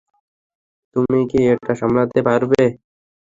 তুমি কি এটা সামলাতে পারবে।